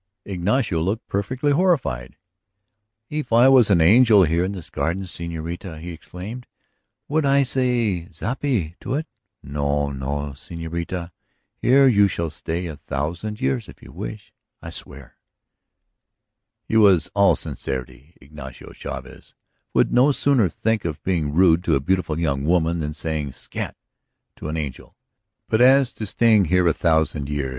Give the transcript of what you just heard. Ignacio looked properly horrified. "If I saw an angel here in the garden, señorita," he exclaimed, "would I say zape to it? No, no, señorita; here you shall stay a thousand years if you wish. I swear it." He was all sincerity; Ignacio Chavez would no sooner think of being rude to a beautiful young woman than of crying "Scat!" to an angel. But as to staying here a thousand years ...